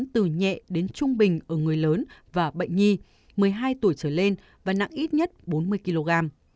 từ nhẹ đến trung bình ở người lớn và bệnh nhi một mươi hai tuổi trở lên và nặng ít nhất bốn mươi kg